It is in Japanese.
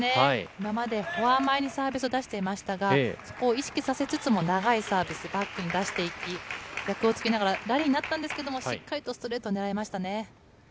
今までフォア前にサービスを出していましたが、そこを意識させつつも長いサービス、バックに出していき、逆を突きながら、ラリーになったんですけれども、しっかりとストレート狙いましたね。